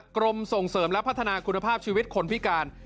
กรมส่งเสริมและพัฒนาคุณภาพชีวิตคนพิการ